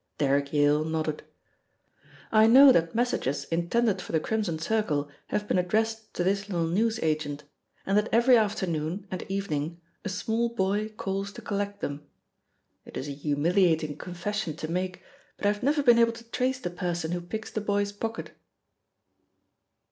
Derrick Yak nodded. "I know that messages intended for the Crimson Circle have been addressed to this little newsagent, and that every afternoon and evening a small boy calls to collect them. It is a humiliating confession to make, but I have never been able to trace the person who picks the boy's pocket."